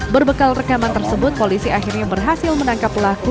berbekal rekaman tersebut polisi akhirnya berhasil menangkap pelaku